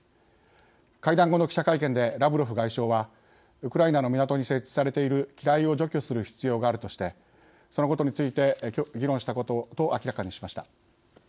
会談後の記者会見でラブロフ外相はウクライナの港に設置されている機雷を除去する必要があるとしてそのことについて議論したと明らかにしました。